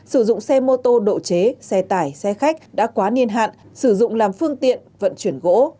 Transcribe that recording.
sử dụng xe mô tô độ chế xe tải xe khách đã quá niên hạn sử dụng làm phương tiện vận chuyển gỗ